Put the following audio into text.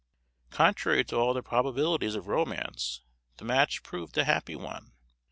Contrary to all the probabilities of romance, the match proved a happy one.